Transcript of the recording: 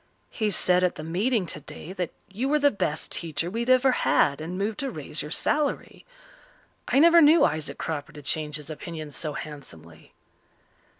"He said at the meeting today that you were the best teacher we had ever had and moved to raise your salary. I never knew Isaac Cropper to change his opinions so handsomely."